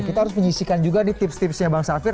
kita harus menyisikan juga nih tips tipsnya bang safir